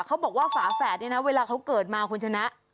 เขาบอกว่าฝาแฝดนี่นะเวลาเขาเกิดมาคุณชนะ